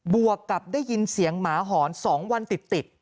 วกกับได้ยินเสียงหมาหอน๒วันติด